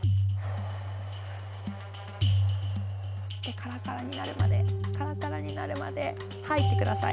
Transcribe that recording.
カラカラになるまでカラカラになるまで吐いて下さい。